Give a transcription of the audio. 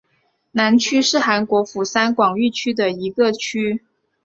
南区是韩国釜山广域市的一个区。